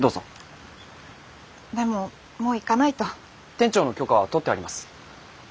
店長の許可は取ってあります。